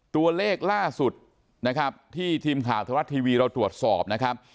ตัวเลขล่าสุดนะครับที่ทีมข่าวธรรมรัฐทีวีเราตรวจสอบนะครับ